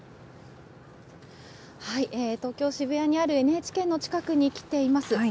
東京・渋谷にあるＮＨＫの近くに来ています。